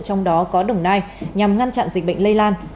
trong đó có đồng nai nhằm ngăn chặn dịch bệnh lây lan